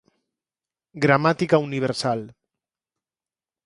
Gramática Universal